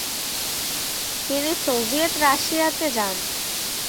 তিনি সোভিয়েত রাশিয়াতে যান।